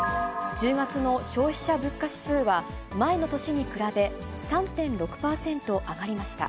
１０月の消費者物価指数は、前の年に比べ３．６％上がりました。